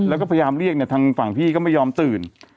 แล้วก็พยายามเรียกเนี่ยทางฝั่งพี่ก็ไม่ยอมตื่น